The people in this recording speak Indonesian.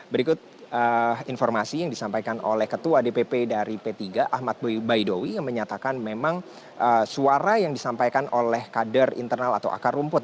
berikut informasi yang disampaikan oleh ketua dpp dari p tiga ahmad baidowi yang menyatakan memang suara yang disampaikan oleh kader internal atau akar rumput